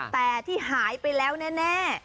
แต่ที่หายไปแล้วแน่